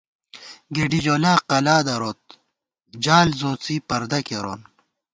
گېڈیجولا قلال دروت جال ځوڅی پردَہ کېرون